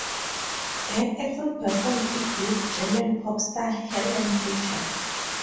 Beck also performed it with German pop star Helene Fischer.